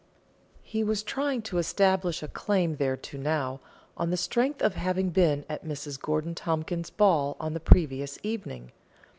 He was trying to establish a claim thereto now, on the strength of having been at Mrs Gorgon Tompkins's ball on the previous evening.